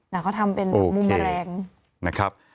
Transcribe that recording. แล้วเขาทำเป็นมุมแมลง